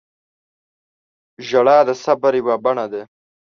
• ژړا د صبر یوه بڼه ده.